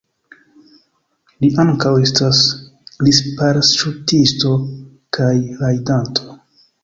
Li ankaŭ estas glisparaŝutisto kaj rajdanto.